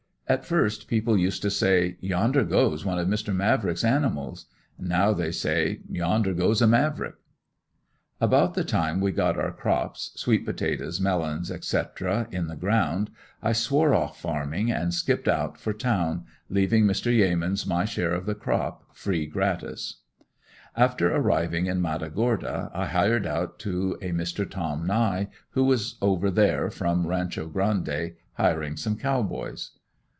At first people used to say: "Yonder goes one of Mr. Mavrick's animals!" Now they say: "Yonder goes a Mavrick!" About the time we got our crops, sweet potatoes, melons, etc., in the ground, I swore off farming and skipped out for town, leaving Mr. Yeamans my share of the "crop" free gratis. After arriving in Matagorda I hired out to a Mr. Tom Nie, who was over there, from Rancho Grande, hiring some Cow Boys.